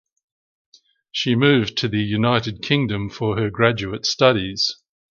She moved to the United Kingdom for her graduate studies.